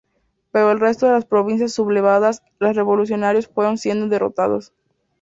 Pero en el resto de las provincias sublevadas los revolucionarios fueron siendo derrotados.